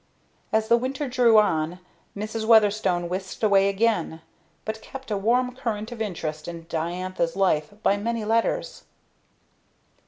As the winter drew on, Mrs. Weatherstone whisked away again, but kept a warm current of interest in Diantha's life by many letters.